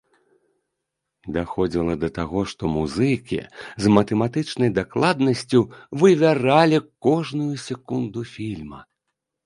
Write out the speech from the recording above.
Даходзіла да таго, што музыкі з матэматычнай дакладнасцю вывяралі кожную секунду фільма.